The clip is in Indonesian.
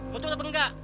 mau coba atau enggak